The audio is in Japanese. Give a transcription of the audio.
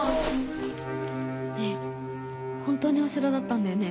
ねえほんとにお城だったんだよね